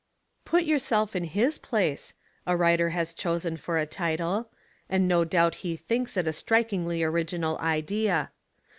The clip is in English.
" Put yourself in his place," a writer has chosen for a title, and no doubt he thinks it a strikingly orig inal idea.